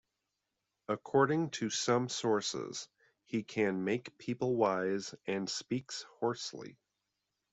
According to some sources, he can make people wise, and speaks hoarsely.